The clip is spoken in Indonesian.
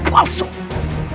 untuk menyelesaikan rai